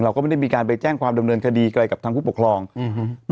เราก็ไม่ได้มีการไปแจ้งความดำเนินคดีอะไรกับทางผู้ปกครองอืม